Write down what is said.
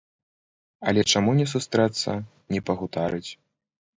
Але чаму не сустрэцца, не пагутарыць.